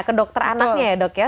ke dokter anaknya ya dok ya